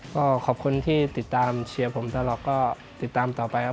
ก็ขอบคุณที่ติดตามเชียร์ผมตลอดก็ติดตามต่อไปครับ